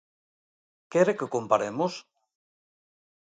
¿Quere que comparemos?